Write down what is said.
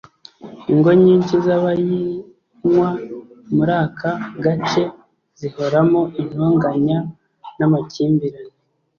Ingo nyinshi z’abayinywa muri aka gace zihoramo intonganya n’amakimbirane